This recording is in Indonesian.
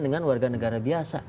dengan warga negara biasa